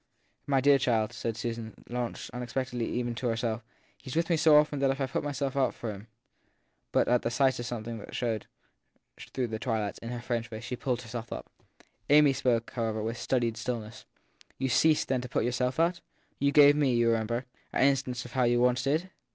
1 My dear child/ said Susan, launched unexpectedly even to herself, he s with me so often that if I put myself out for him ! But as if at sight of something that showed, through the twilight, in her friend s face, she pulled her self up. Amy, however, spoke with studied stillness. You ve ceased then to put yourself out ? You gave me, you remember, an instance of how you once did